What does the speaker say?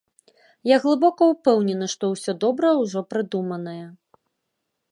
Я глыбока ўпэўнены, што ўсё добрае ўжо прыдуманае.